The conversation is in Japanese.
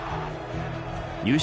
優勝